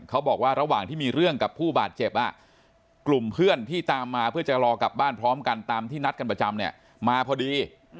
ระหว่างที่มีเรื่องกับผู้บาดเจ็บกลุ่มเพื่อนที่ตามมาเพื่อจะรอกลับบ้านพร้อมกันตามที่นัดกันประจำเนี่ยมาพอดี